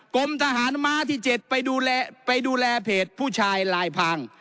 กรมทหารม้าที่๗ไปดูแลไปดูแลเพจผู้ชายลายพัง